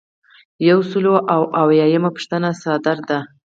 یو سل او اویایمه پوښتنه صادره ده.